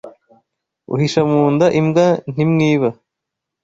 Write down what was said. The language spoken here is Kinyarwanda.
Uhisha mu nda imbwa ntimwiba